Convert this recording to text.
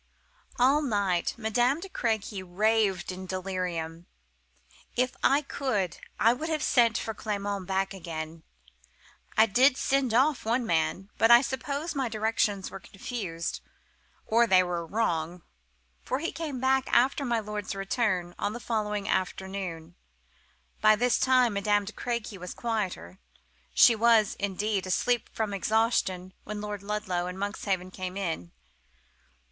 "All night Madame de Crequy raved in delirium. If I could I would have sent for Clement back again. I did send off one man, but I suppose my directions were confused, or they were wrong, for he came back after my lord's return, on the following afternoon. By this time Madame de Crequy was quieter: she was, indeed, asleep from exhaustion when Lord Ludlow and Monkshaven came in.